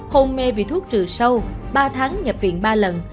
hôn mê vì thuốc trừ sâu ba tháng nhập viện ba lần